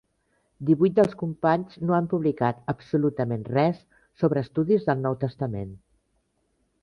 Divuit dels companys no han publicat absolutament res sobre estudis del Nou Testament.